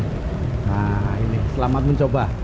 nah ini selamat mencoba